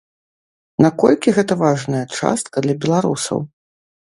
Наколькі гэта важная частка для беларусаў?